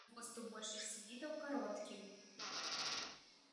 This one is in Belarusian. Хвост у большасці відаў кароткі.